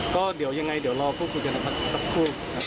ก็เดี๋ยวยังไงเดี๋ยวรอฟูปการณ์ภาคสักครู่